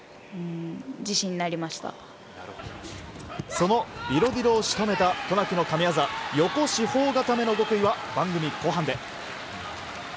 そのビロディドを仕留めた渡名喜の神技横四方固めの極意は番組後半で。